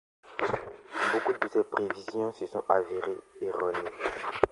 Beaucoup de ses prévisions se sont avérées erronées.